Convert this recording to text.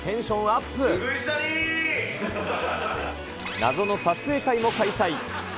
謎の撮影会も開催。